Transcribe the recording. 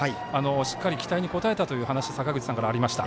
しっかり期待に応えたという話坂口さんからありました。